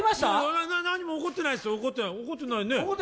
なな、何にも怒ってないですよ。